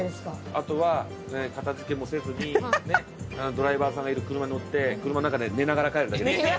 あとは片付けもせずにねドライバーさんがいる車に乗って車の中で寝ながら帰るだけです。